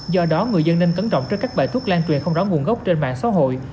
do đó người dân nên cẩn trọng trước các bài thuốc lan truyền không rõ nguồn gốc trên mạng xã hội